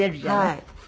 はい。